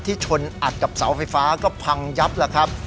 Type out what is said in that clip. ชนอัดกับเสาไฟฟ้าก็พังยับแล้วครับ